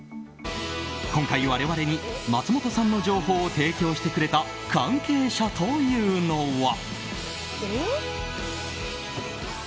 今回、我々に松本さんの情報を提供してくれた関係者というのは。